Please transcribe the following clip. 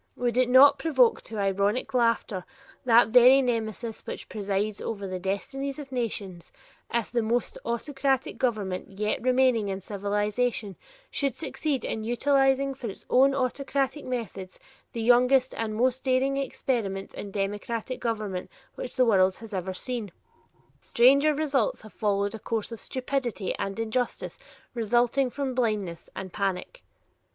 Would it not provoke to ironic laughter that very nemesis which presides over the destinies of nations, if the most autocratic government yet remaining in civilization should succeed in utilizing for its own autocratic methods the youngest and most daring experiment in democratic government which the world has ever seen? Stranger results have followed a course of stupidity and injustice resulting from blindness and panic!